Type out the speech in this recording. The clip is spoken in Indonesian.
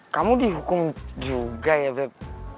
kamu dihukum juga ya bed